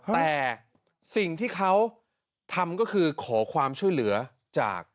แต่สิ่งที่เขาทำก็คือขอความช่วยเหลือจาก